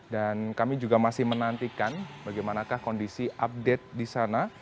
dan kami juga masih menantikan bagaimanakah kondisi update di sana